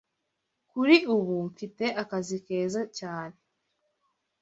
Kuri ubu, mfite akazi keza cyane.